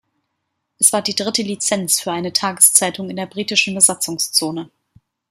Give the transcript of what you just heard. Es war die dritte Lizenz für eine Tageszeitung in der britischen Besatzungszone.